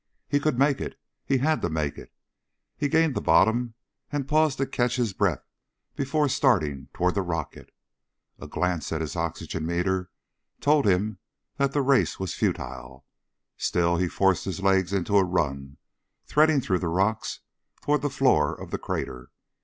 He could make it. He had to make it! He gained the bottom and paused to catch his breath before starting toward the rocket. A glance at his oxygen meter told him that the race was futile. Still, he forced his legs into a run, threading through the rocks toward the floor of the crater.